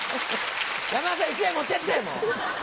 山田さん１枚持ってってもう！